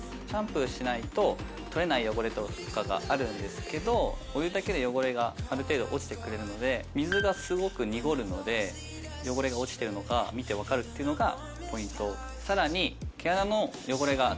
シャンプーしないと取れない汚れとかがあるんですけどお湯だけで汚れがある程度落ちてくれるので水がすごく濁るので汚れが落ちてるのか見て分かるっていうのがポイント